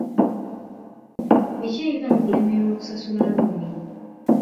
Biki ebiva mu kulemererwa okusasula looni?